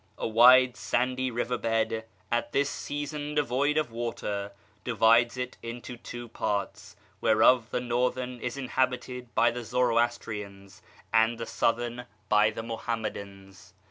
A wide, sandy river bed, at this season devoid of water, divides it into two parts, whereof the northern is inhabited by the Zoroastrians and the southern by the Muhammadans.